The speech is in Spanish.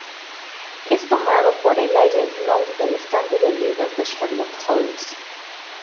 Es tomado por Elijah Snow del estante de libros de Sherlock Holmes.